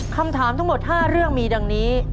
คำถามทั้งหมด๕เรื่องมีดังนี้